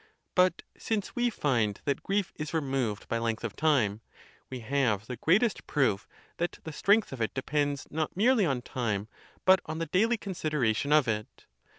But since we find that grief is removed by length of time, we have the greatest proof that the strength of it depends not merely on time, but on the daily consideration of it.